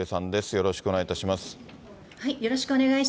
よろしくお願いします。